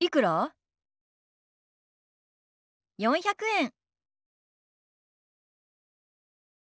４００円。